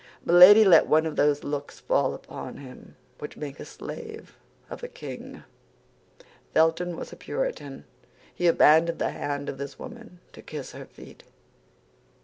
Milady let one of those looks fall upon him which make a slave of a king. Felton was a Puritan; he abandoned the hand of this woman to kiss her feet.